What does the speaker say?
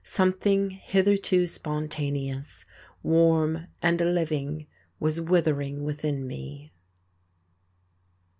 Something hitherto spontaneous, warm and living was withering within me.